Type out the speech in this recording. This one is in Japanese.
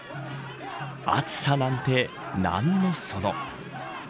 暑さなんてなんのその。